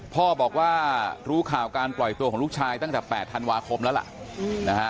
พ่อบอกว่ารู้ข่าวการปล่อยตัวของลูกชายตั้งแต่๘ธันวาคมแล้วล่ะนะฮะ